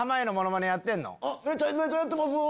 めちゃめちゃやってますぅ。